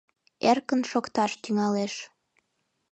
Эркын шокташ тӱҥалеш.